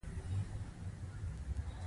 له دغو سیالیو سره یې چندانې علاقه نه وه.